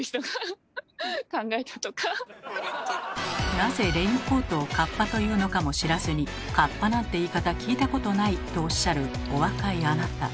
なぜレインコートを「かっぱ」というのかも知らずに「『かっぱ』なんて言い方聞いたことない」とおっしゃるお若いあなた。